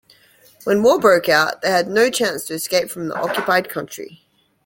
When war broke out, they had no chance to escape from the occupied country.